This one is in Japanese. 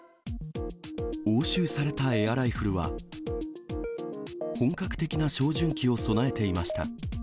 押収されたエアライフルは、本格的な照準器を備えていました。